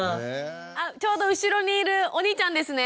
あっちょうど後ろにいるお兄ちゃんですね？